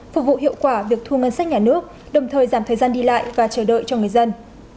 phục vụ hiệu quả việc thu ngân sách nhà nước đồng thời giảm thời gian đi lại và chờ đợi cho người dân